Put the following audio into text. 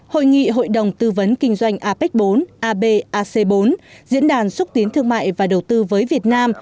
hội nghị hội đồng tư vấn kinh doanh apec bốn abac bốn diễn đàn xúc tiến thương mại và đầu tư với việt nam